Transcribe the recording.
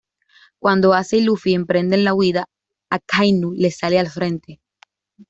Cuando Ace y Luffy emprenden la huida, Akainu les sale al frente.